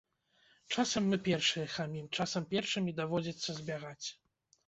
Часам мы першыя хамім, часам першымі даводзіцца збягаць.